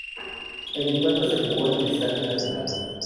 El encuentro se jugó en el Estadio Nacional.